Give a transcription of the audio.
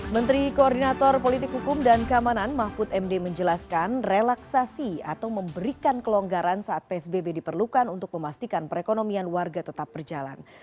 menteri koordinator politik hukum dan keamanan mahfud md menjelaskan relaksasi atau memberikan kelonggaran saat psbb diperlukan untuk memastikan perekonomian warga tetap berjalan